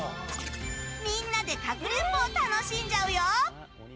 みんなでかくれんぼを楽しんじゃうよ！